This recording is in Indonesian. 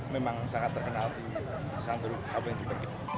memang sangat terkenal di santuruk kb